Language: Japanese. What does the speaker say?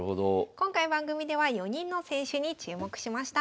今回番組では４人の選手に注目しました。